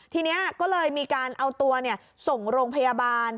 ทีนี้ก็เลยมีการเอาตัวส่งโรงพยาบาล